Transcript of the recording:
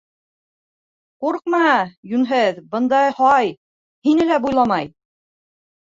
- Ҡурҡма, йүнһеҙ, бында һай, һине лә буйламай.